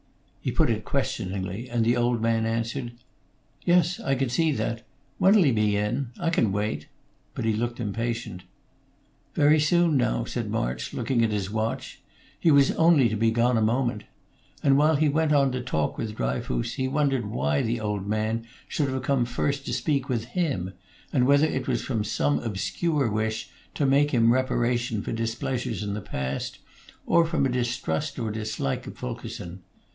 He put it questioningly, and the old man answered: "Yes, I can see that. When 'll he be in? I can wait." But he looked impatient. "Very soon, now," said March, looking at his watch. "He was only to be gone a moment," and while he went on to talk with Dryfoos, he wondered why the old man should have come first to speak with him, and whether it was from some obscure wish to make him reparation for displeasures in the past, or from a distrust or dislike of Fulkerson.